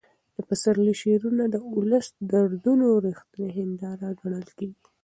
د پسرلي شعرونه د ولس د دردونو رښتینې هنداره ګڼل کېږي.